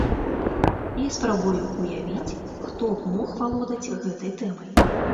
Я спрабую ўявіць, хто б мог валодаць гэтай тэмай.